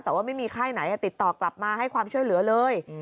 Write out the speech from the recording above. แต่ว่าไม่มีค่ายไหนติดต่อกลับมาให้ความช่วยเหลือเลย